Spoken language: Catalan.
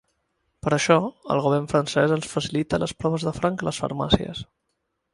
Per això, el govern francès els facilita les proves de franc a les farmàcies.